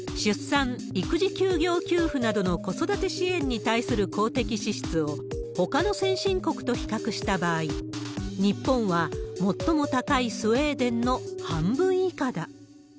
出産・育児休業給付などの子育て支援に対する公的支出をほかの先進国と比較した場合、日本は最も高いスウェーデンの半分以下だ。